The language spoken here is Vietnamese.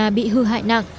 mà bị hư hại nặng